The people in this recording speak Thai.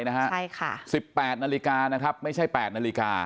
๑๘นาฬิกาไม่ใช่๘นาฬิกา